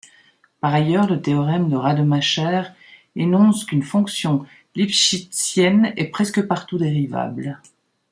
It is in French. Par ailleurs, le théorème de Rademacher énonce qu'une fonction lipschitzienne est presque partout dérivable.